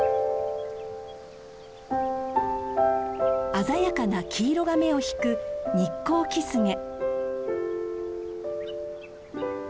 鮮やかな黄色が目を引くニッコウキスゲ。